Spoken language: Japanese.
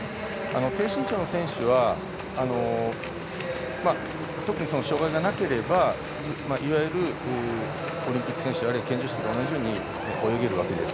低身長の選手は特に、障がいがなければいわゆるオリンピック選手や健常者と同じように泳げるわけです。